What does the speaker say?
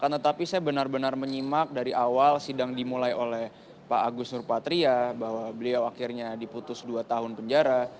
tetapi saya benar benar menyimak dari awal sidang dimulai oleh pak agus nurpatria bahwa beliau akhirnya diputus dua tahun penjara